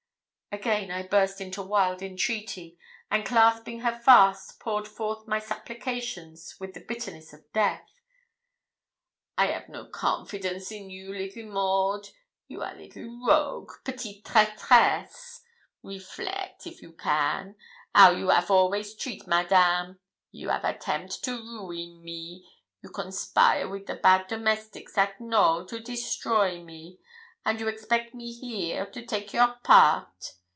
Again I burst into wild entreaty, and, clasping her fast, poured forth my supplications with the bitterness of death. 'I have no confidence in you, little Maud; you are little rogue petite traîtresse! Reflect, if you can, how you 'av always treat Madame. You 'av attempt to ruin me you conspire with the bad domestics at Knowl to destroy me and you expect me here to take a your part!